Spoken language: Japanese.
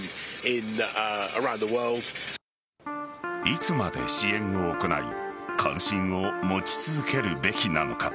いつまで支援を行い関心を持ち続けるべきなのか。